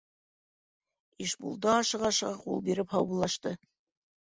— Ишбулды ашыға-ашыға ҡул биреп һаубуллашты.